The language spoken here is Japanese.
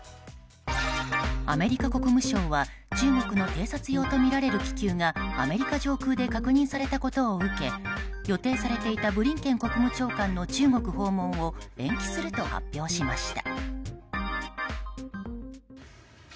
アメリカ国務省は中国の偵察用とみられる気球がアメリカ上空で確認されたことを受け予定されていたブリンケン国務長官の中国訪問を延期すると発表しました。